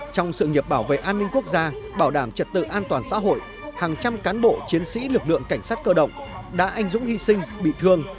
tự an toàn xã hội hàng trăm cán bộ chiến sĩ lực lượng cảnh sát cơ động đã anh dũng hy sinh bị thương